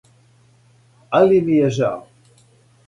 Али ми је жао.